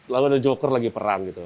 lalu ada joker lagi perang gitu